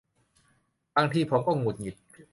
บางทีผมก็หงุดหงิด